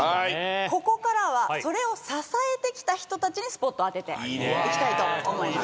ここからはそれを支えてきた人たちにスポットを当てていきたいと思います。